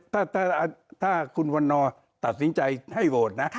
ถ้าคุณวันนอร์ตัดสินใจให้โหวตนะ